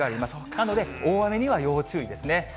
なので、大雨には要注意ですね。